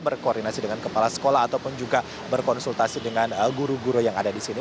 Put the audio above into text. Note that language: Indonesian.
berkoordinasi dengan kepala sekolah ataupun juga berkonsultasi dengan guru guru yang ada di sini